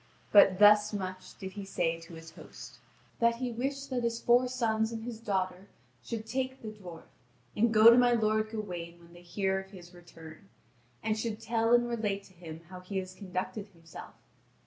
But thus much did he say to his host: that he wished that his four sons and his daughter should take the dwarf and go to my lord Gawain when they hear of his return, and should tell and relate to him how he has conducted himself.